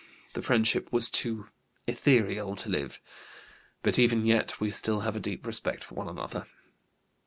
The friendship was too ethereal to live; but even yet we still have a deep respect for one another.